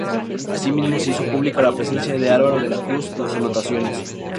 Asimismo, se hizo pública la presencia de Álvaro de la Cruz en las anotaciones.